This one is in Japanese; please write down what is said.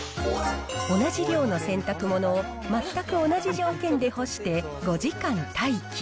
同じ量の洗濯物を、全く同じ条件で干して５時間待機。